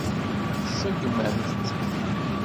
Tseggem-am-t.